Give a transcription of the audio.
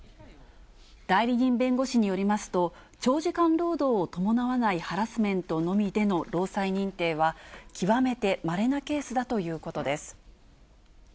代理人弁護士によりますと、長時間労働を伴わないハラスメントのみでの労災認定は、極めてまれなケースだということです。